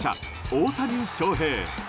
大谷翔平。